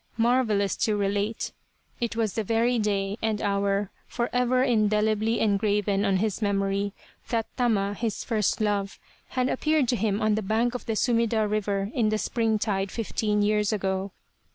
Marvellous to relate it was the very day and hour, for ever indelibly engraven on his memory, that Tama, his first love, had appeared to him on the bank of the Sumida river in the springtide fifteen years ago.